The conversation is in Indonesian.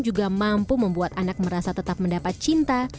juga mampu membuat anak merasa tetap mendapat cinta